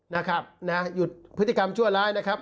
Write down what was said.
นะฮะหยุดพฤติกรรมชั่วร้ายนะครับ